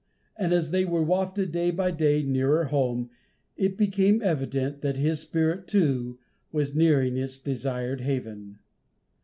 And as they were wafted, day by day, nearer home, it became evident that his spirit, too, was nearing its desired haven.